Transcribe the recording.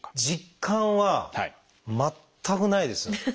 実感は全くないです。